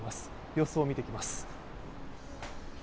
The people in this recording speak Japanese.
様子を見てきます。